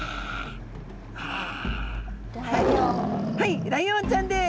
はいライオンちゃんです。